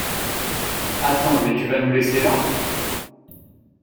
Attends mais tu vas nous laisser là?